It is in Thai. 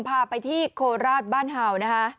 พาไปที่โคราชบ้านเห่านะคะ